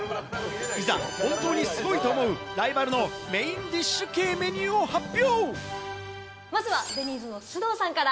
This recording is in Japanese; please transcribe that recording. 本当にすごいと思うライバルのメインディッシュメニューを発表。